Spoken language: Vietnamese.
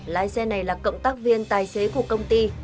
lái xe này là cộng tác viên tài xế của công ty